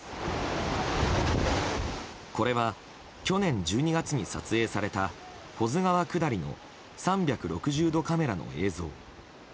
これは去年１２月に撮影された保津川下りの３６０度カメラの映像。